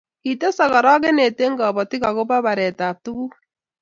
kitesak orokenet eng kabotik akobo baretab tuguk